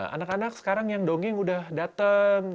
anak anak sekarang yang dongeng udah dateng